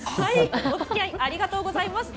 おつきあいありがとうございました。